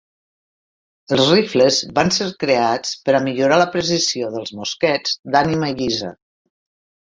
Els rifles van ser creats per a millorar la precisió dels mosquets d'ànima llisa.